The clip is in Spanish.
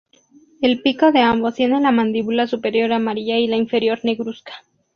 El pico de ambos tiene la mandíbula superior amarilla y la inferior negruzca.